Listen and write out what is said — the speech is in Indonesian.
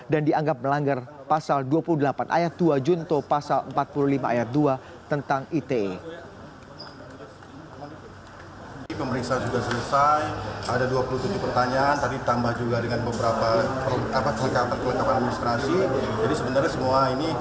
dan dianggap melanggar pasal dua puluh delapan ayat dua jun